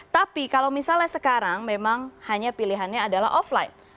tapi kalau misalnya sekarang memang hanya pilihannya adalah offline